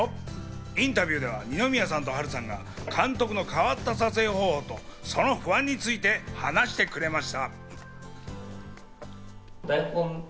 インタビューでは二宮さんと波瑠さんが監督の変わった撮影方法と、その不安について話してくれました。